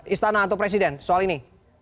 istana atau presiden soal ini